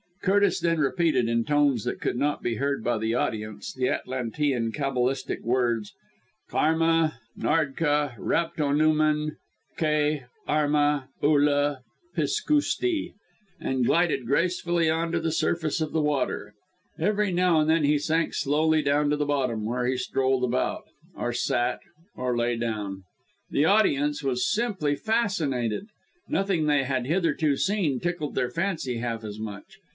Curtis then repeated in tones that could not be heard by the audience the Atlantean cabalistic words "Karma nardka rapto nooman K arma oola piskooskte," and glided gracefully on to the surface of the water. Every now and then he sank slowly down to the bottom, where he strolled about, or sat, or lay down. The audience was simply fascinated. Nothing they had hitherto seen tickled their fancy half as much.